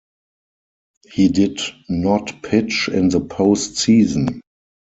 He did not pitch in the post season.